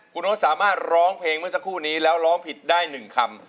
คุณโน๊ตสามารถร้องเพลงเมื่อสักครู่นี้แล้วร้องผิดได้๑คำ